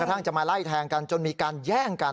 ทั้งจะมาไล่แทงกันจนมีการแย่งกัน